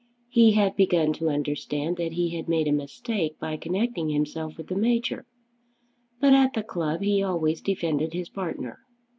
He had begun to understand that he had made a mistake by connecting himself with the Major, but at the club he always defended his partner.